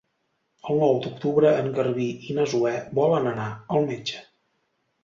El nou d'octubre en Garbí i na Zoè volen anar al metge.